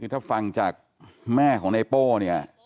ถ้าฟังจากแม่ของนายโป้นี่